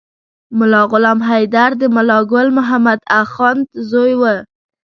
ملا غلام حیدر د ملا ګل محمد اخند زوی و.